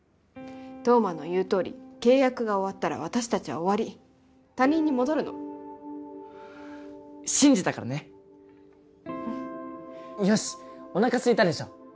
冬馬の言うとおり契約が終わったら私達は終わり他人に戻るの信じたからねうんよしっおなかすいたでしょ